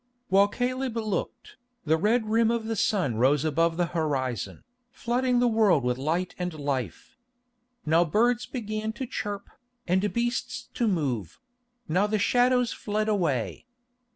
While Caleb looked, the red rim of the sun rose above the horizon, flooding the world with light and life. Now birds began to chirp, and beasts to move; now the shadows fled away.